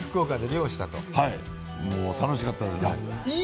もう楽しかったですね。